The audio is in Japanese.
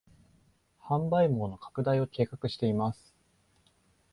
販売網の拡大を計画しています